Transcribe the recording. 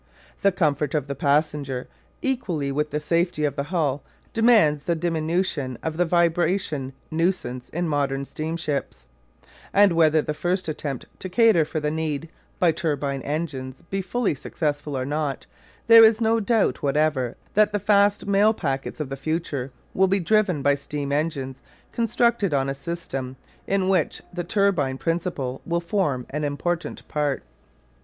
The comfort of the passenger, equally with the safety of the hull, demands the diminution of the vibration nuisance in modern steamships, and whether the first attempts to cater for the need by turbine engines be fully successful or not, there is no doubt whatever that the fast mail packets of the future will be driven by steam engines constructed on a system in which the turbine principle will form an important part.